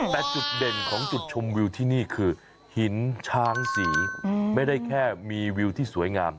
แต่จุดเด่นของจุดชมวิวที่นี่คือหินช้างสีไม่ได้แค่มีวิวที่สวยงาม